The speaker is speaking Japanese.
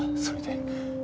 それで。